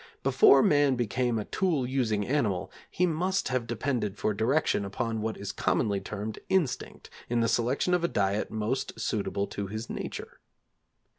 Before man became a tool using animal, he must have depended for direction upon what is commonly termed instinct in the selection of a diet most suitable to his nature.